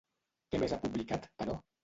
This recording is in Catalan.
Què més ha publicat, però?